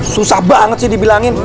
susah banget sih dibilangin